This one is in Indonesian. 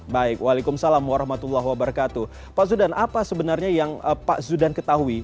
baik waalaikumsalam warahmatullahi wabarakatuh pak zudan apa sebenarnya yang pak zudan ketahui